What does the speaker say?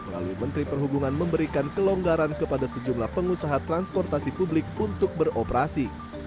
lalu menteri perhubungan memberikan kelonggaran kepada sejumlah pengusaha transportasi publik untuk beroperasi